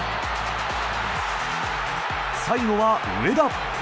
最後は上田。